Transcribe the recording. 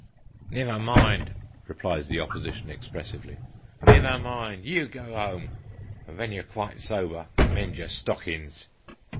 " Niver mind," replies the opposition expressively, " niver mind ; you go home, and, ven you're quite sober, mend your stockings."